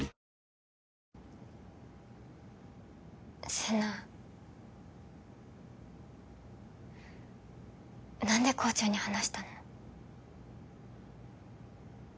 世奈何でコウちゃんに話したの？